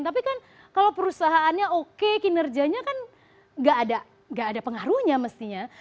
tapi kan kalau perusahaannya oke kinerjanya kan gak ada pengaruhnya mestinya